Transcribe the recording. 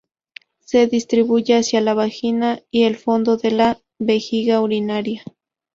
Se distribuye hacia la vagina y el fondo de la vejiga urinaria.